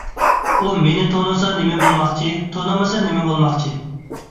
ئۇ مېنى تونۇسا نېمە بولماقچى، تونىمىسا نېمە بولماقچى؟